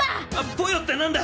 ポヨってなんだ？